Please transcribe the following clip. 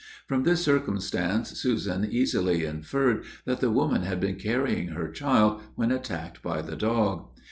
From this circumstance Susan easily inferred that the woman had been carrying her child when attacked by the dog.